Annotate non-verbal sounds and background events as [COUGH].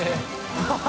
ハハハ [LAUGHS]